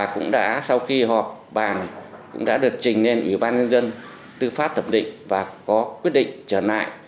cũng đã sau khi họp bàn cũng đã được trình lên ủy ban nhân dân tư pháp thẩm định và có quyết định trở lại